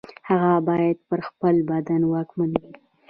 هغه باید پر خپل بدن واکمن وي.